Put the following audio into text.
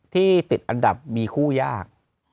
ที่ติดอันดับมีคู่ยาก